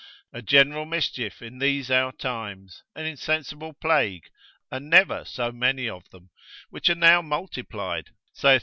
A general mischief in these our times, an insensible plague, and never so many of them: which are now multiplied (saith Mat.